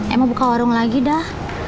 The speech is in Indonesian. emang buka warung lagi dah